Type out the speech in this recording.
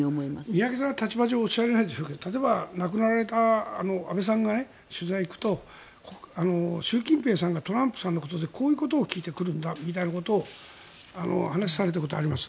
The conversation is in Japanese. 宮家さんは立場上おっしゃれないでしょうけど例えば亡くなられた安倍さんが取材に行くと習近平さんがトランプさんのことでこういうことを聞いてくるんだみたいなことを話をされたことがあります。